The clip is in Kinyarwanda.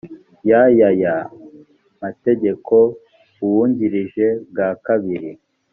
ya y aya mategeko uwungirije bwa kabiri